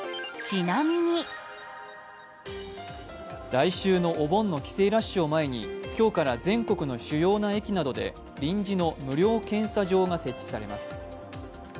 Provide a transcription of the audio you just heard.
来週のお盆の帰省ラッシュを前に、今日から全国の主要な駅などで臨時の無料検査場が設置されます。